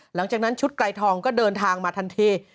หลังจากนั้นชุดไกลทองก็เดินทางมาทันที